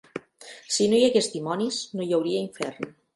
Si no hi hagués dimonis no hi hauria infern.